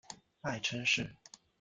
爱称是。